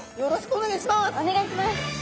お願いします！